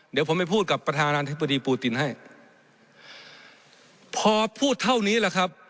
เดี๋ยวผมไปพูดกับประธานาธิบดีปูตินให้พอพูดเท่านี้แหละครับ